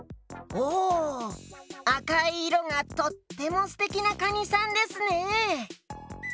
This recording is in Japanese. おおあかいいろがとってもすてきなかにさんですね。